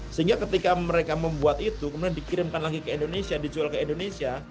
sehingga ketika mereka membuat itu kemudian dikirimkan lagi ke indonesia dijual ke indonesia